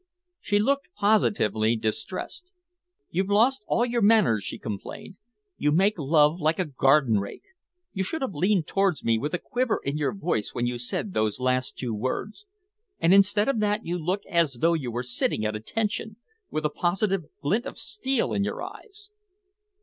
She looked positively distressed. "You've lost all your manners," she complained. "You make love like a garden rake. You should have leaned towards me with a quiver in your voice when you said those last two words, and instead of that you look as though you were sitting at attention, with a positive glint of steel in your eyes."